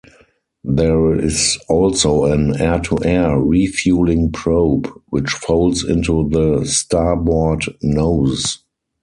There is also an air-to-air refueling probe, which folds into the starboard nose.